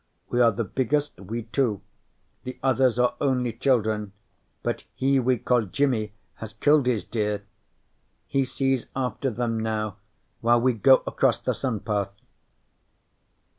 We are the biggest, we two. The others are only children, but he we call Jimi has killed his deer. He sees after them now while we go across the sun path."